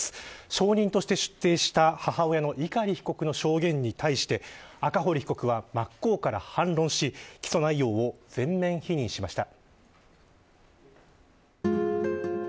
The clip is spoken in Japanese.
証人として出廷した母親の碇被告の証言に対して赤堀被告は真っ向から反論し起訴内容を全面否認しました。